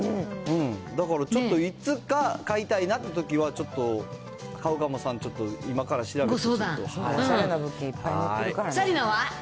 だから、ちょっといつか買いたいなってときは、ちょっとカウカモさん、ちょっと今から調べて。